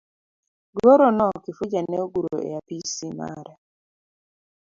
Goro no Kifuja ne oguro e apisi mare.